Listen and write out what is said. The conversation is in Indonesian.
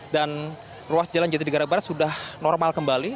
dan ruas jalan jatinegara barat sudah normal kembali